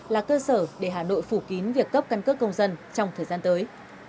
là cơ sở để hà nội phủ kín việc cấp căn cước công dân trong thời gian tới